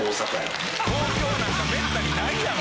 東京なんかめったにないやろ！